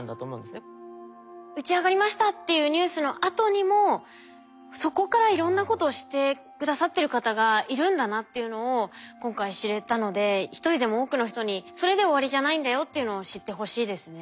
「打ち上がりました」っていうニュースのあとにもそこからいろんなことをして下さってる方がいるんだなっていうのを今回知れたので一人でも多くの人にっていうのを知ってほしいですね。